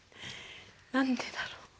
何でだろう。